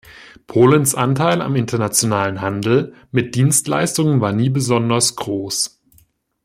Polens Anteil am internationalen Handel mit Dienstleistungen war nie besonders groß.